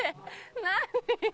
何？